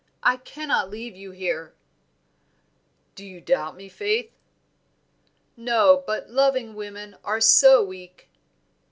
I cannot leave you here." "Do you doubt me, Faith?" "No; but loving women are so weak."